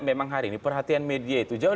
memang hari ini perhatian media itu jauh